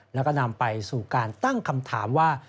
แล้วก็นำไปสู่การตั้งคำถามว่า